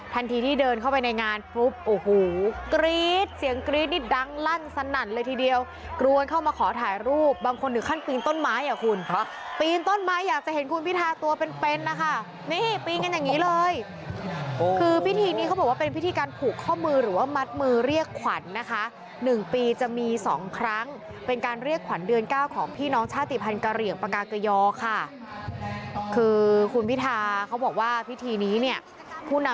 ทันทีที่เดินเข้าไปในงานปุ๊บโอ้โหกรี๊ดเสียงกรี๊ดนี่ดังลั่นสนั่นเลยทีเดียวกลัวมาเข้ามาขอถ่ายรูปบางคนหนึ่งขั้นปีนต้นไม้อ่ะคุณปีนต้นไม้อยากจะเห็นคุณพิธาตัวเป็นเป็นนะคะนี่ปีนกันอย่างนี้เลยคือพิธีนี้เขาบอกว่าเป็น